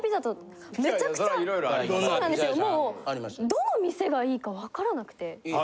どの店がいいか分からなくて。